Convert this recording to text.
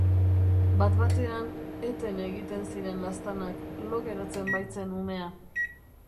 Bat-batean eten egiten ziren laztanak, lo geratzen baitzen umea.